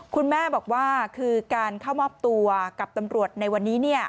คุณแม่บอกว่าคือการเข้ามอบตัวกับตำรวจในวันนี้